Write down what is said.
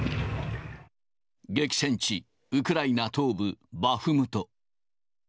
激戦地、ウクライナ東部バフムト。